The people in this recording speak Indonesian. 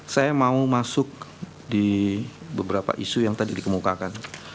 saya mau masuk di beberapa isu yang tadi dikemukakan